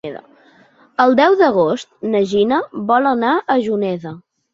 El deu d'agost na Gina vol anar a Juneda.